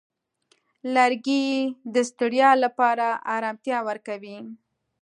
لرګی د ستړیا لپاره آرامتیا ورکوي.